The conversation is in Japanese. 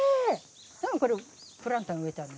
でもこれプランターに植えてあるの。